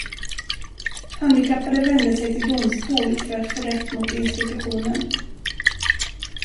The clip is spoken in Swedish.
Handikappade vände sig till domstol för att få rätt mot institutionen.